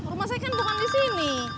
rumah saya kan bukan di sini